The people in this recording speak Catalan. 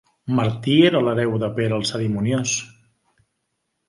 Martí era l'hereu de Pere el Cerimoniós.